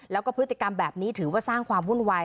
แล้วก็พฤติกรรมแบบนี้ถือว่าสร้างความวุ่นวาย